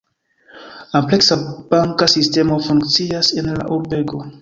Ampleksa banka sistemo funkcias en la urbego.